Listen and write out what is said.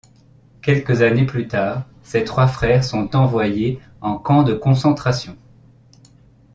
Quelques années plus tard, ses trois frères sont envoyés en camp de concentration.